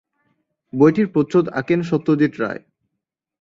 বইটির প্রচ্ছদ আঁকেন সত্যজিৎ রায়।